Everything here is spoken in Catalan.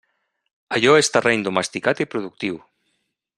Allò és terreny domesticat i productiu.